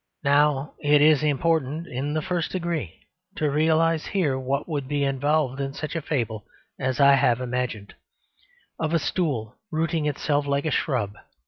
Now it is important in the first degree to realise here what would be involved in such a fable as I have imagined, of a stool rooting itself like a shrub.